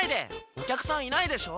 お客さんいないでしょ！